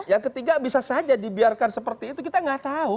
yang ketiga bisa saja dibiarkan seperti itu kita nggak tahu